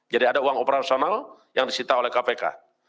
jadi ada uang operasional yang disita oleh kpk